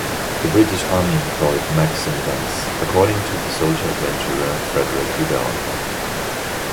The British army employed Maxim guns, according to the soldier-adventurer Frederick Lugard.